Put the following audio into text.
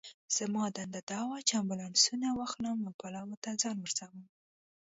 زما دنده دا وه چې امبولانسونه واخلم او پلاوا ته ځان ورسوم.